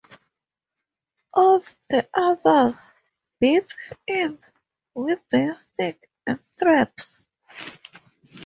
All the others beat iht with their sticks and straps.